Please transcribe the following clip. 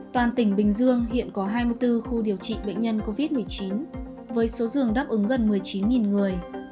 toàn tỉnh bình dương hiện có hai mươi bốn khu điều trị bệnh nhân covid một mươi chín với số giường đáp ứng gần một mươi chín người